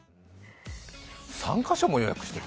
３か所も予約してる？